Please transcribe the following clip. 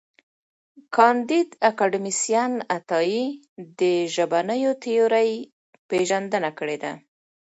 کانديد اکاډميسن عطایي د ژبنیو تیورۍ پېژندنه کړې ده.